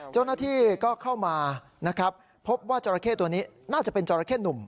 เจ้าหน้าที่ก็เข้ามานะครับพบว่าจราเข้ตัวนี้น่าจะเป็นจราเข้หนุ่ม